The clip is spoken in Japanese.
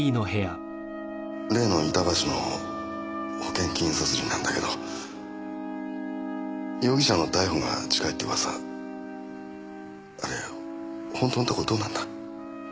例の板橋の保険金殺人なんだけど容疑者の逮捕が近いってうわさあれほんとのとこどうなんだ？